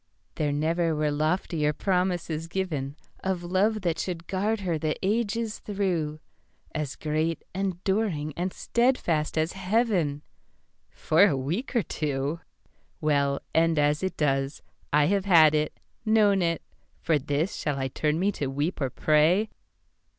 There never were loftier promises givenOf love that should guard her the ages through, As great, enduring and steadfast as Heaven—For a week or two. Well, end as it does, I have had it, known it, For this shall I turn me to weep or pray?